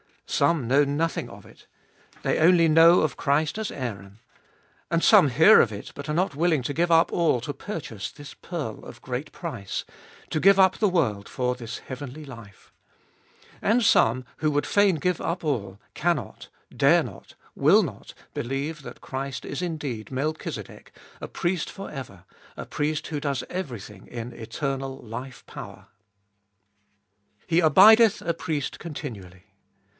Some know nothing of it, they only know of 16 242 abe Doliest ot ail Christ as Aaron. And some hear of it but are not willing to give up all to purchase this pearl of great price ; to give up the world for this heavenly life. And some, who would fain give up all, cannot, dare not, will not, believe that Christ is indeed Melchizedek, a Priest for ever, a Priest who does everything in eternal life power. He abideth a Priest continually.